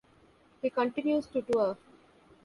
He continues to tour.